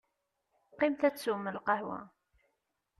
Qqimet ad teswem lqahwa.